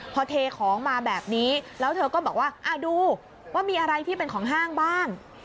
พอเทของมาแบบนี้แล้วเธอก็บอกว่าดูว่ามีอะไรที่เป็นของห้างบ้าง